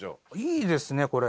いいですねこれ。